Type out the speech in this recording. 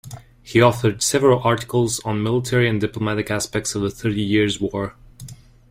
He authored several articles on military and diplomatic aspects of the Thirty Years' War.